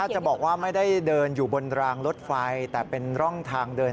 ถ้าจะบอกว่าไม่ได้เดินอยู่บนรางรถไฟ